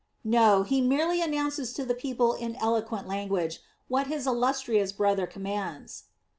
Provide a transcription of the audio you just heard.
"No, he merely announces to the people in eloquent language what his illustrious brother commands."